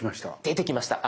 出てきました。